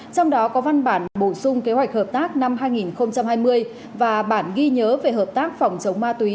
trong đó có văn bản bổ sung kế hoạch hợp tác năm hai nghìn hai mươi và bản ghi nhớ về hợp tác phòng chống ma túy